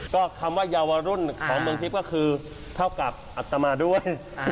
ก็คำว่าเยาวรุ่นของเมืองทิพย์ก็คือเท่ากับอัตมาด้วย